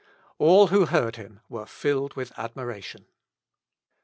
All who heard him were filled with admiration.